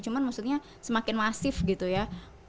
cuma maksudnya semakin masif gitu ya